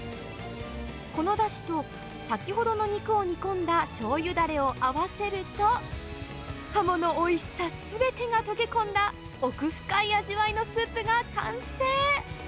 このだしと、先ほどの肉を煮込んだしょうゆだれを合わせると、カモのおいしさすべてが溶け込んだ、奥深い味わいのスープが完成。